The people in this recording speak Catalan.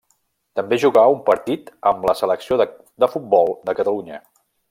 També jugà un partit amb la selecció de futbol de Catalunya.